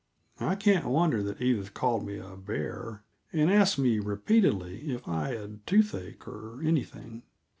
I can't wonder that Edith called me a bear, and asked me repeatedly if I had toothache, or anything.